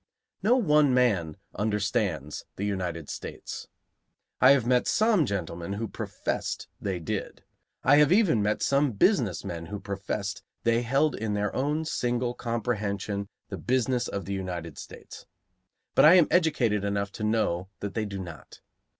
No one man understands the United States. I have met some gentlemen who professed they did. I have even met some business men who professed they held in their own single comprehension the business of the United States; but I am educated enough to know that they do not.